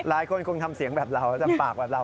หลายคนคงทำเสียงแบบเราจำปากแบบเรา